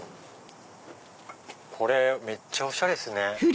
これめっちゃおしゃれっすね。